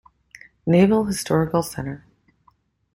Naval Historical Center.